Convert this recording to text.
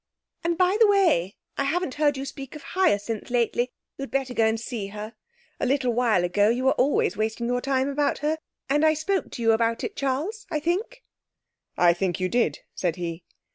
'And, by the way, I haven't heard you speak of Hyacinth lately. You had better go and see her. A little while ago you were always wasting your time about her, and I spoke to you about it, Charles I think?' 'I think you did,' said he.